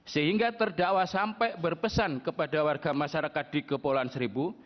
sehingga terdakwa sampai berpesan kepada warga masyarakat di kepulauan seribu